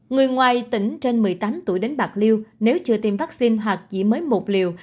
người ngoài tỉnh trên một mươi tám tuổi đến bạc liêu nếu chưa tiêm vaccine hoặc chỉ mới một liều